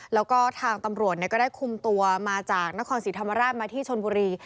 แล้วก็ทางตำรวจก็ได้คุมตัวมาจากนครศรีธรรมราชมาที่ชนบุรี